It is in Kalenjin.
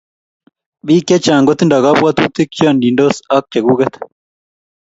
Bik chechang kotindo kabwatutik che yachindos ak chekuket